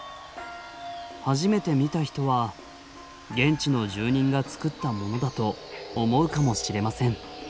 初めて見た人は現地の住人が作ったものだと思うかもしれません。